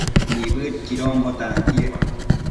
Nibëdquidonbo tantiec